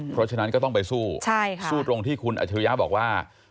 เพราะฉะนั้นก็ต้องไปสู้สู้ตรงที่คุณอัจฉริยะบอกว่า